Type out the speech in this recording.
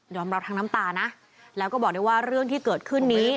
รับทั้งน้ำตานะแล้วก็บอกได้ว่าเรื่องที่เกิดขึ้นนี้